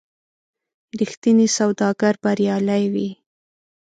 رښتینی سوداګر بریالی وي.